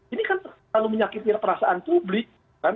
ini kan terlalu menyakiti perasaan publik